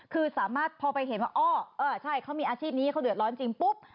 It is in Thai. คือสามารถพอไปเห็นว่าอ้อเออใช่เขามีอาชีพนี้เขาเดือดร้อนจริงปุ๊บ